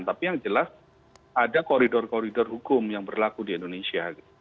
tapi yang jelas ada koridor koridor hukum yang berlaku di indonesia